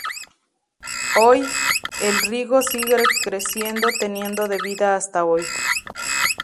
Hoy, el "Rigo" sigue creciendo, teniendo de vida hasta hoy.